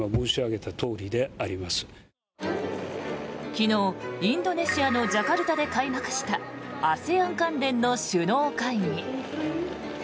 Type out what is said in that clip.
昨日、インドネシアのジャカルタで開幕したＡＳＥＡＮ関連の首脳会議。